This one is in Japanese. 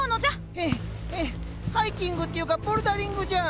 へえへえハイキングっていうかボルダリングじゃん！